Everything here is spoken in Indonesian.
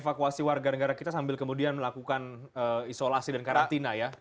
dengan kehatian wdn negara negara kita sambil kemudian melakukan isolasi dan karantina ya